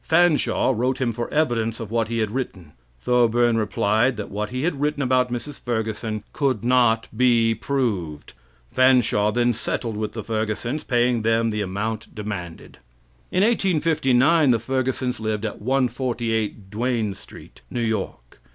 Fanshaw wrote him for evidence of what he had written. Thorburn replied that what he had written about Mrs. Ferguson could not be proved. Fanshaw then settled with the Fergusons, paying them the amount demanded. In 1859 the Fergusons lived at 148 Duane Street, New York.